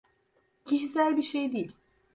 Kişisel bir şey değil.